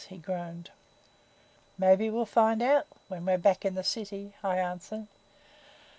he groaned. "Maybe we'll find out when we're back in the city," I answered.